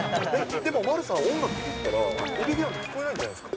でも丸さん、音楽聴いてたら、いびきなんて聞こえないんじゃないですか。